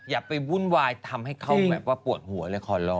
อย่าไปวุ่นวายทำให้เขาแบบว่าปวดหัวเลยขอร้อง